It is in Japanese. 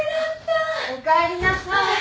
おかえりなさい。